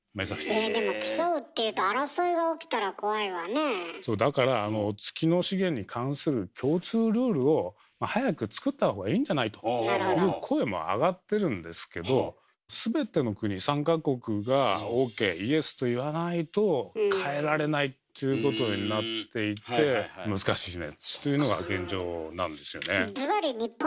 えでも競うっていうとそうだから早く作った方がいいんじゃない？という声もあがってるんですけど全ての国参加国がＯＫイエスと言わないと変えられないっていうことになっていて難しいねっていうのが現状なんですよね。